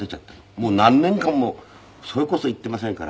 もう何年間もそれこそ行っていませんから。